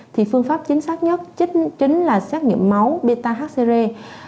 thì phương pháp chính xác nhất chính là xét nghiệm máu beta hcre